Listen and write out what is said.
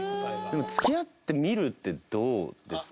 でも「付き合ってみる？」ってどうですか？